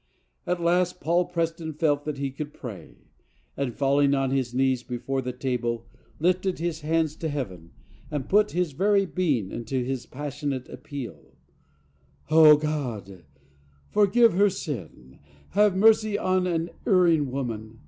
At last Paul Preston felt that he could pray, and, falling on his knees before the table, lifted his hands to heaven and put his very being into his passionate appeal: "O God forgive her sin; have mercy on an erring woman